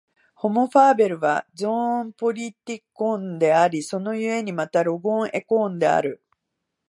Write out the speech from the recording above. ホモ・ファーベルはゾーン・ポリティコンであり、その故にまたロゴン・エコーンである。